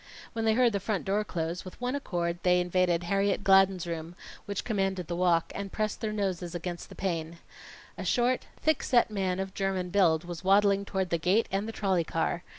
When they heard the front door close, with one accord they invaded Harriet Gladden's room, which commanded the walk, and pressed their noses against the pane. A short, thick set man of German build was waddling toward the gate and the trolley car.